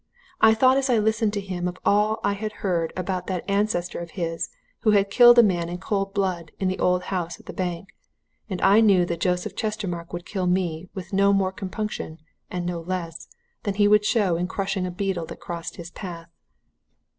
I thought as I listened to him of all I had heard about that ancestor of his who had killed a man in cold blood in the old house at the bank and I knew that Joseph Chestermarke would kill me with no more compunction, and no less, than he would show in crushing a beetle that crossed his path.